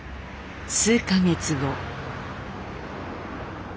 数か月後。